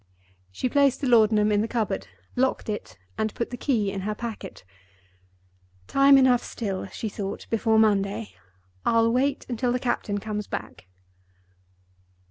She placed the laudanum in the cupboard, locked it, and put the key in her pocket. "Time enough still," she thought, "before Monday. I'll wait till the captain comes back."